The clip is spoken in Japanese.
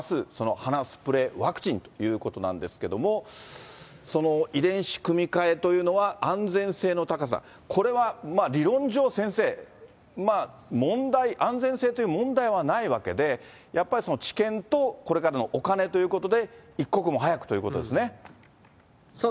鼻スプレーワクチンということなんですけれども、遺伝子組み換えというのは安全性の高さ、これは理論上、先生、問題、安全性という問題はないわけで、やっぱり治験とこれからのお金ということで、一刻も早くというこそうですね。